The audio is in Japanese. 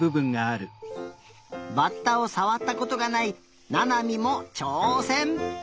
バッタをさわったことがないななみもちょうせん！